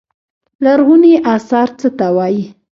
لرغوني اثار څه ته وايي.